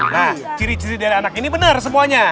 nah ciri ciri dari anak ini benar semuanya